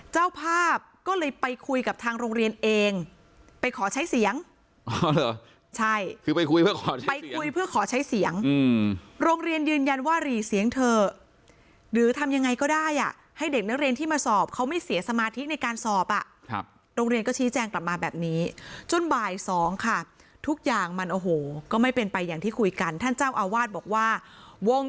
เจ้าภาพก็เลยไปคุยกับทางโรงเรียนเองไปขอใช้เสียงใช่คือไปคุยเพื่อขอไปคุยเพื่อขอใช้เสียงโรงเรียนยืนยันว่าหรี่เสียงเถอะหรือทำยังไงก็ได้อ่ะให้เด็กนักเรียนที่มาสอบเขาไม่เสียสมาธิในการสอบอ่ะครับโรงเรียนก็ชี้แจงกลับมาแบบนี้จนบ่ายสองค่ะทุกอย่างมันโอ้โหก็ไม่เป็นไปอย่างที่คุยกันท่านเจ้าอาวาสบอกว่าวง